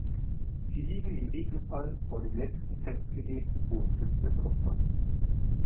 Sie liegen im Regelfall vor dem letzten selbstgewählten Wohnsitz des Opfers.